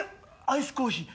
アイスコーヒー。